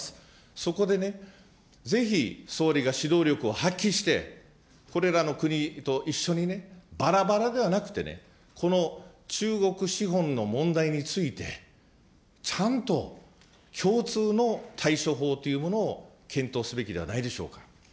そこでね、ぜひ総理が指導力を発揮して、これらの国と一緒にね、ばらばらではなくてね、この中国資本の問題について、ちゃんと共通の対処法というものを検討すべきではないでしょうか。